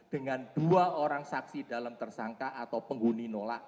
dengan dua orang saksi dalam tersangka atau penghuni nolak